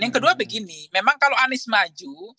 yang kedua begini memang kalau anies maju